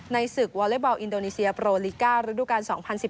ในศึกวอเลเบาอินโดนีเซียโปรลีก้าระดูกัน๒๐๑๘๒๐๑๙